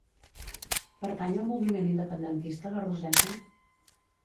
Pertany al moviment independentista la Roseta?